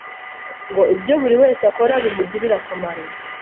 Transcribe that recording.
ngo ibyo buri wese akora bimugirire akamaro